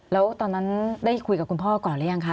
แล้วตอนนั้นได้คุยกับคุณพ่อก่อนหรือยังคะ